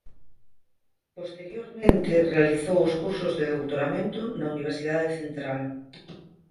Posteriormente realizou os cursos de doutoramento na Universidade Central.